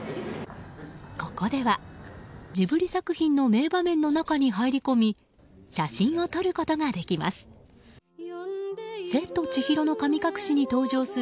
ここではジブリ作品の名場面の中に入り込み写真を撮ることができます。